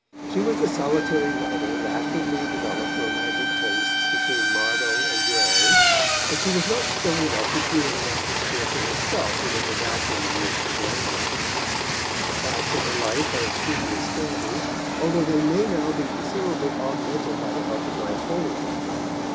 She was the solitary writer of actively developed romantic tastes between Marvell and Gray, and she was not strong enough to create an atmosphere for herself within the vacuum in which she languished. The facts of her life are extremely scanty, although they may now be considerably augmented by the help of my folio.